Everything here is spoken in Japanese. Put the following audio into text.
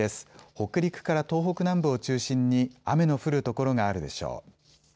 北陸から東北南部を中心に雨の降る所があるでしょう。